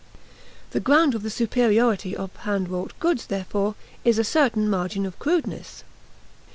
The ground of the superiority of hand wrought goods, therefore, is a certain margin of crudeness.